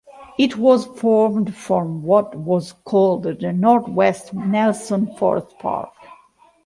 It was formed from what was called the North-west Nelson Forest Park.